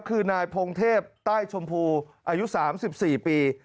คือนายพงเทพใต้ชมพูอายุ๓๔ปี